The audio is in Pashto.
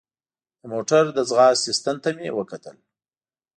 د موټر د ځغاستې ستن ته مې وکتل.